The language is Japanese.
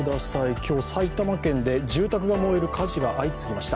今日、埼玉県で住宅が燃える火事が相次ぎました。